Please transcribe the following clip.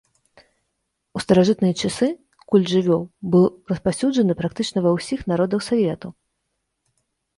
У старажытныя часы культ жывёл быў распаўсюджаны практычна ва ўсіх народаў свету.